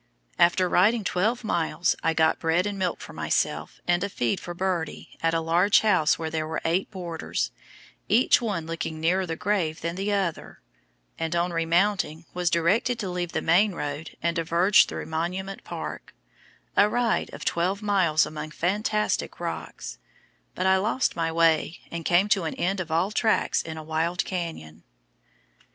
After riding twelve miles I got bread and milk for myself and a feed for Birdie at a large house where there were eight boarders, each one looking nearer the grave than the other, and on remounting was directed to leave the main road and diverge through Monument Park, a ride of twelve miles among fantastic rocks, but I lost my way, and came to an end of all tracks in a wild canyon.